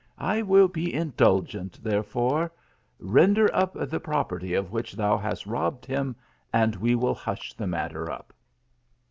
I will be indulgent, therefore ; ren der up the property of which thou hast robbed him, and we will hush the matter up."